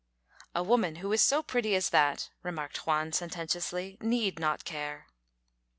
"A woman who is so pretty as that," remarked Juan, sententiously, "need not care."